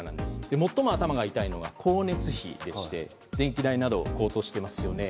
最も頭が痛いのは光熱費でして電気代など高騰していますよね。